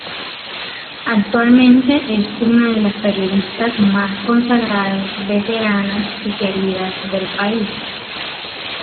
Actualmente es una de las periodistas más consagradas veteranas y queridas del país.